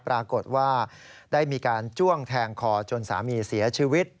ปรากฏว่าได้มีการจ้วงแทงคอจนสามีเสียชีวิต